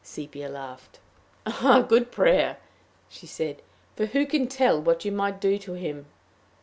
Sepia laughed. "A good prayer," she said; "for who can tell what you might do to him!"